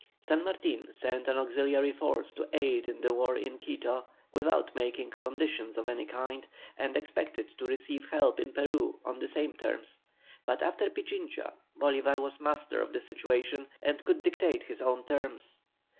San Martin sent an auxiliary force to aid in the war in Quito without making conditions of any kind, and expected to receive help in Peru on the same terms, but after Pichincha, Bolívar was master of the situation, and could dictate his own terms.